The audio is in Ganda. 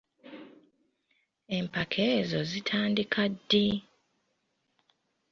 Empaka ezo zitandika ddi?